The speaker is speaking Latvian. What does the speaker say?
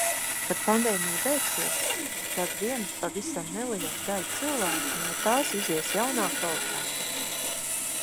Kad pandēmija beigsies, tad vien pavisam neliela daļa cilvēku no tās izies jaunā kvalitātē.